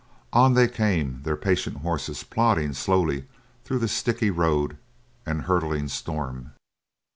On they came, their patient horses plodding slowly through the sticky road and hurtling storm.